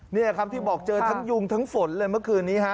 นี่ครับที่บอกเจอทั้งยุงทั้งฝนเลยเมื่อคืนนี้ฮะ